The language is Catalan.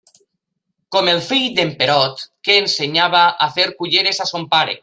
Com el fill d'en Perot, que ensenyava a fer culleres a son pare.